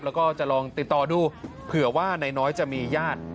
แล้วก็จะลองติดต่อดูเผื่อว่านายน้อยจะมีญาติ